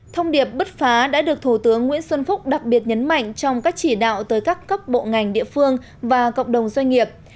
thông điệp bứt phá đã được thủ tướng nguyễn xuân phúc đặc biệt nhấn mạnh trong các chỉ đạo tới các cấp bộ ngành địa phương và cộng đồng doanh nghiệp